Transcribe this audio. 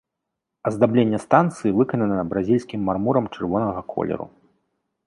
Аздабленне станцыі выканана бразільскім мармурам чырвонага колеру.